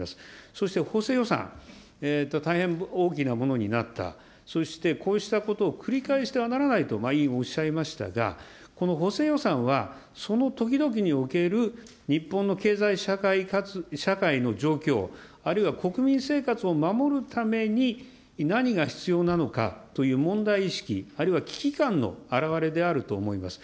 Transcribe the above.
そして補正予算、大変大きなものになった、そしてこうしたことを繰り返してはならないと、今、委員、おっしゃいましたが、この補正予算はその時々における日本の経済社会の状況、あるいは国民生活を守るために何が必要なのかという問題意識、あるいは危機感のあらわれであると思います。